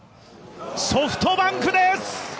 ソフトバンクです！